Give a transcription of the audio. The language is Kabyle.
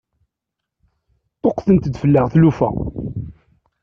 Ṭṭuqqtent-d fell-aɣ tlufa.